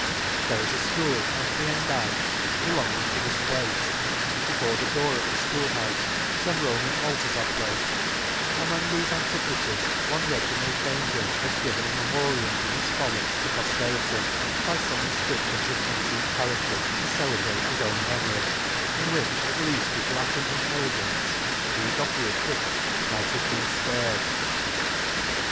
There is a fchool amply endowed be F longing An Excursion to longing to this place % Before the door of the fchool houfe fome Roman altars are placed ; amongft thefe antiquities one Reginald Bainbrig has given a memorial of his folly to pofterity, by fome infcrip tions in antique characters, to celebrate his own memory ; in which, at leaft, his Latin inelegance " qui docuit hie/' might have been fpared.